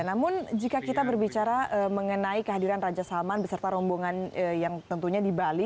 namun jika kita berbicara mengenai kehadiran raja salman beserta rombongan yang tentunya di bali